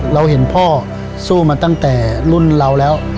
เราเห็นพ่อสู้มาตั้งแต่รุ่นเราแล้ว